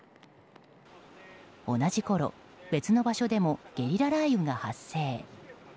同じころ、別の場所でもゲリラ雷雨が発生。